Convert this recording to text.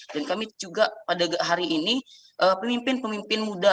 dan kami juga pada hari ini pemimpin pemimpin muda